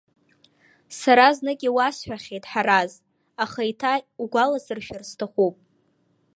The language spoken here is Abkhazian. Сара знык иуасҳәахьеит, Ҳараз, аха еиҭа угәаласыршәар сҭахуп.